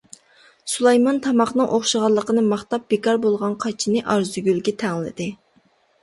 سۇلايمان تاماقنىڭ ئوخشىغانلىقىنى ماختاپ بىكار بولغان قاچىنى ئارزۇگۈلگە تەڭلىدى.